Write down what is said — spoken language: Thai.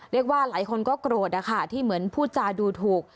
เรียกว่าหลายคนก็โกรธอะค่ะที่เหมือนพูดจาดูถูก